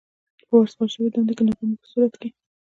په ورسپارل شوې دنده کې د ناکامۍ په صورت کې.